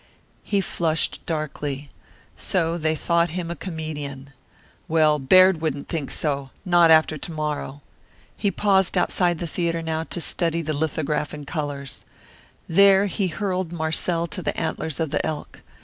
He flushed darkly. So they thought him a comedian. Well, Baird wouldn't think so not after to morrow. He paused outside the theatre now to study the lithograph in colours. There he hurled Marcel to the antlers of the elk.